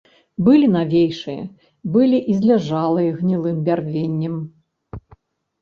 Былі навейшыя, былі і зляжалыя гнілым бярвеннем.